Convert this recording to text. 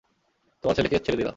তোমার ছেলেকে ছেড়ে দিলাম।